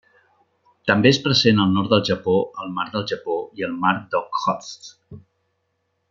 També és present al nord del Japó, el mar del Japó i el mar d'Okhotsk.